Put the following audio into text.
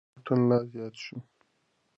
سياسي واټن لا زيات شو.